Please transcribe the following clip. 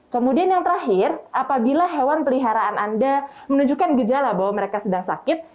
kemudian yang terakhir apabila hewan peliharaan anda menunjukkan gejala bahwa mereka sedang sakit